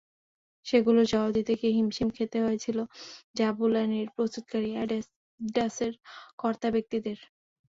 সেগুলোর জবাব দিতে গিয়ে হিমশিম খেতে হয়েছিল জাবুলানির প্রস্তুতকারী অ্যাডিডাসের কর্তাব্যক্তিদের।